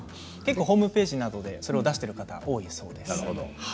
ホームページなどで情報を出している方が多いと思います。